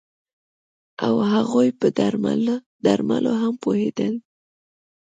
او هغوی په درملو هم پوهیدل